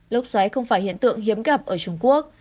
lốc xoáy không phải hiện tượng hiếm gặp ở trung quốc